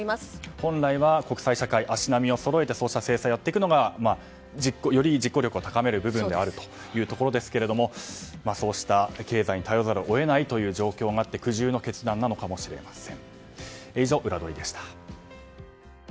本来は国際社会が足並みをそろえてそうした制裁をやっていくのがより実行力を高める部分でありますがそうした、経済に頼らざるを得ないという状況があっての苦渋の決断なのかもしれません。